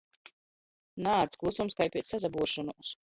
Naārts klusums kai piec sasabuoršonuos.